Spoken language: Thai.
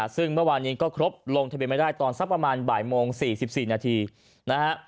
ซึ่งเมื่อวานนี้ก็ครบลงทะเบียนไม่ได้ตอนสักประมาณบ่ายโมง๔๔นาทีนะฮะ